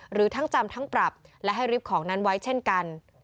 หรือทั้งจำทั้งปรับและให้ริบของนั้นไว้เช่นกัน